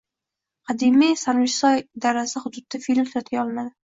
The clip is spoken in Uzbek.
Qadimiy Sarmishsoy darasi hududida film suratga olinadi